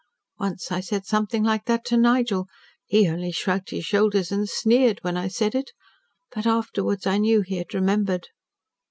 Once I said something like that to Nigel. He only shrugged his shoulders and sneered when I said it. But afterwards I knew he had remembered.